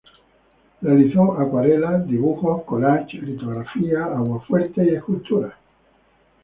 Realizó acuarelas, dibujos, collages, litografías, aguafuertes y esculturas.